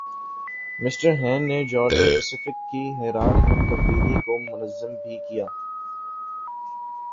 mister Hain نے Georgia Pacific کی حیرانکن تبدیلی کو منظم بھِی کِیا